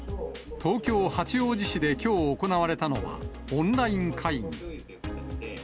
東京・八王子市できょう行われたのは、オンライン会議。